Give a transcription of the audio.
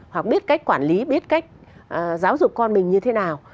hoặc biết cách quản lý biết cách giáo dục con mình như thế nào